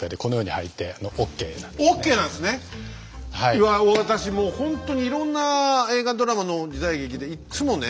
うわ私もうほんとにいろんな映画・ドラマの時代劇でいっつもね